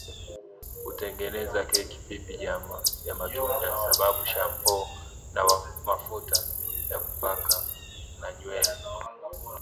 Hutengeneza keki pipi jam ya matunda sabuni shampoo na mafuta ya kupaka na nywele